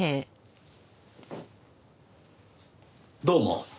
どうも。